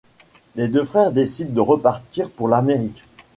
Les deux frères décident de repartir pour l'Amérique.